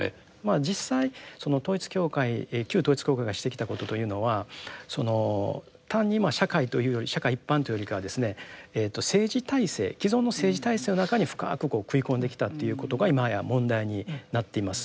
実際その統一教会旧統一教会がしてきたことというのはその単に社会というより社会一般というよりかはですね政治体制既存の政治体制の中に深くこう食い込んできたっていうことが今や問題になっています。